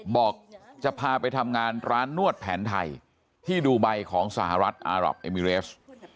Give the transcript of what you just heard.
บอกจะพาไปทำงานร้านนวดแผนไทยที่ดูไบของสหรัฐอารับเอมิเรส